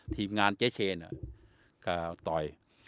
ทีพงานเจ๊เชนเงาก็ต่อย